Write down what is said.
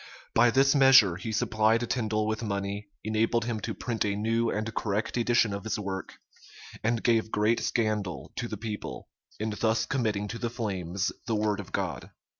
By this measure he supplied Tindal with money, enabled him to print a new and correct edition of his work, and gave great scandal to the people, in thus committing to the flames the word of God.